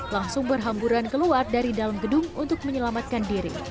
langsung berhamburan keluar dari dalam gedung untuk mengembang